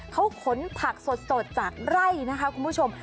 เขาขนผักสดจากไร่นะคะคุณผู้ชม